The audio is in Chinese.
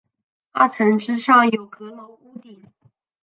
二层之上有阁楼屋顶。